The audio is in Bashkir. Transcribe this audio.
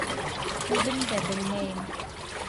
—Үҙем дә белмәйем...